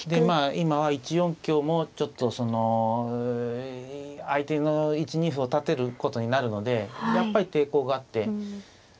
まあ今は１四香もちょっとその相手の１二歩を立てることになるのでやっぱり抵抗があって。